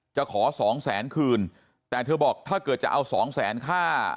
จะขอสองแสนคืนแต่เธอบอกถ้าเกิดจะเอาสองแสนค่า